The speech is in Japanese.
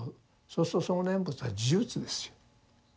そうするとその念仏は呪術ですよ。